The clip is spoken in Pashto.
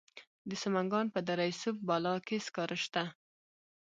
د سمنګان په دره صوف بالا کې سکاره شته.